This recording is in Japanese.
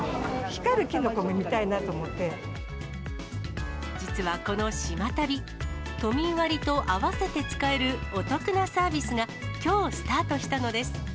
光るキノコも見たいなと思っ実はこの島旅、都民割と合わせて使えるお得なサービスが、きょうスタートしたのです。